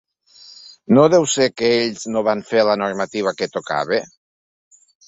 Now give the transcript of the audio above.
No deu ser que ells no van fer la normativa que tocava?